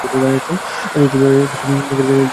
Black স্কোয়াডের নাম শুনেছেন?